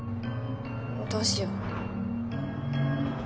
どうしよう？